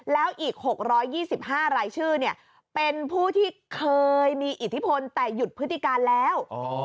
แล้วอีก๖๒๕รายชื่อเป็นผู้ที่เคยมีอิทธิพลแต่หยุดพฤติการแล้ว